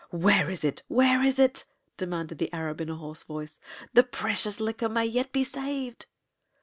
"Where is it? Where is it?" demanded the Arab, in a hoarse voice. "The precious liquor may yet be saved."